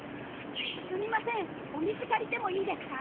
すみませんお水借りてもいいですか？